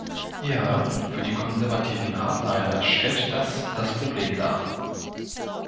Ja, für die konservativen Hardliner stellt das das Problem dar.